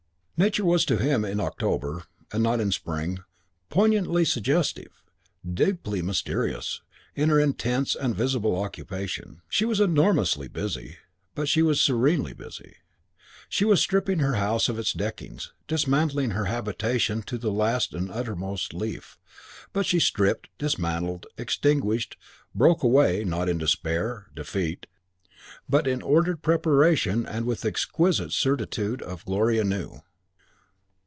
Nature was to him in October, and not in spring, poignantly suggestive, deeply mysterious, in her intense and visible occupation. She was enormously busy; but she was serenely busy. She was stripping her house of its deckings, dismantling her habitation to the last and uttermost leaf; but she stripped, dismantled, extinguished, broke away, not in despair, defeat, but in ordered preparation and with exquisite certitude of glory anew.